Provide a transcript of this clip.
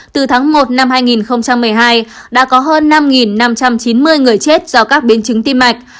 từ tháng một năm hai nghìn một mươi hai đã có hơn năm năm trăm chín mươi người chết do các biến chứng tim mạch